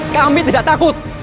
kami tidak takut